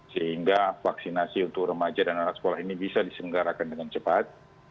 sehingga vaksinasi untuk remaja dan anak sekolah ini bisa diselenggarakan dengan cepat